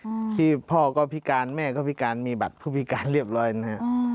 อืมที่พ่อก็พิการแม่ก็พิการมีบัตรผู้พิการเรียบร้อยนะฮะอืม